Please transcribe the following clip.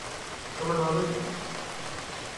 น้ำมันหล่อลื่น